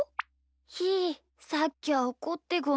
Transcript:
ひーさっきはおこってごめん。